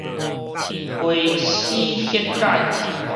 花施血解